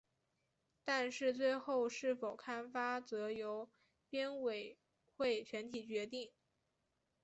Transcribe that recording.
但是最后是否刊发则由编委会全体决定。